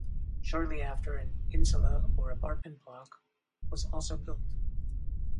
Shortly after an "insula", or apartment block, was also built.